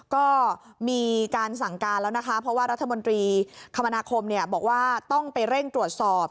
ก็มีการสั่งการแล้วนะคะเพราะว่าต้องไปเร่งตรวจสอบ